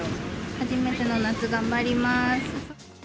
初めての夏、頑張りまーす。